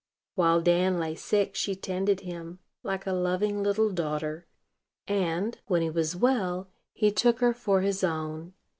While Dan lay sick, she tended him, like a loving little daughter; and, when he was well, he took her for his own.